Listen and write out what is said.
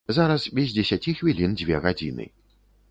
Зараз без дзесяці хвілін дзве гадзіны.